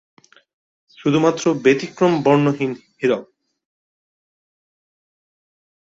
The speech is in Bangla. শুধুমাত্র ব্যতিক্রম বর্ণহীন হীরক।